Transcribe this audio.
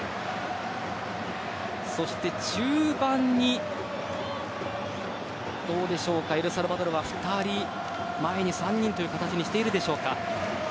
そして中盤にエルサルバドルは２人前に３人という形にしているでしょうか。